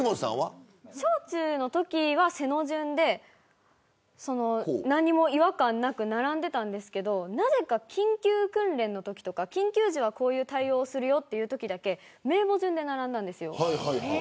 小中のときは背の順で何も違和感なく並んでいましたがなぜか緊急訓練のときとか緊急時はこういう対応をするよというときだけ名簿順で並んだんですよ。